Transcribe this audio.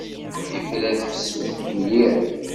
Tifrat fessuset mliḥ.